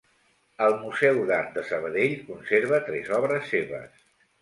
El Museu d'Art de Sabadell conserva tres obres seves.